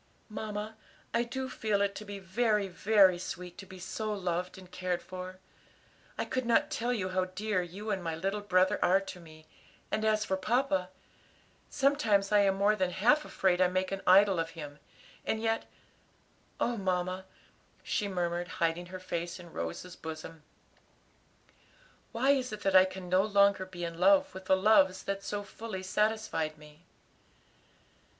"Mamma, I do feel it to be very, very sweet to be so loved and cared for. I could not tell you how dear you and my little brother are to me, and as for papa sometimes I am more than half afraid I make an idol of him; and yet oh, mamma," she murmured, hiding her face in Rose's bosom, "why is it that I can no longer be in love with the loves that so fully satisfied me?"